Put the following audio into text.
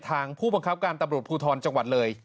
ผู้บังคับการตำรวจภูทรจังหวัดเลย